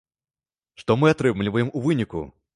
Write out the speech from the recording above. Што мы атрымліваем у выніку?